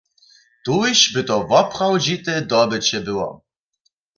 Tuž by to woprawdźite dobyće było.